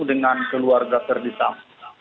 dengan keluarga verdi sambo